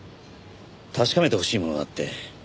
確かめてほしいものがあって。